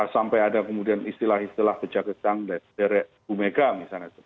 sampai ada kemudian istilah istilah beca kecang dari bumega misalnya